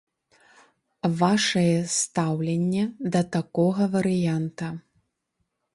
Вашае стаўленне да такога варыянта?